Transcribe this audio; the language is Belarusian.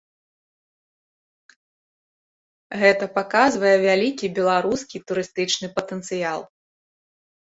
Гэта паказвае вялікі беларускі турыстычны патэнцыял.